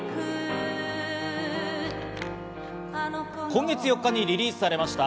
今月４日にリリースされました